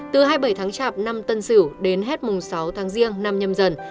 từ hai mươi bảy tháng chạp năm tân sửu đến hết mùng sáu tháng riêng năm nhâm dần